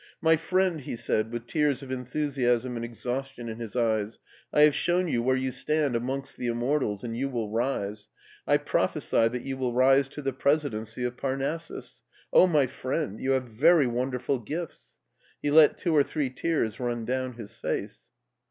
" My friend," he said, with tears of enthusiasm and exhaustion in his eyes, " I have shown you where you stand amongst the immortals, and you will rise; I prophesy that you will rise to the presidency of Parnassus. Oh, my friend ! you have very wonderful gifts." He let two or three tears run down his face.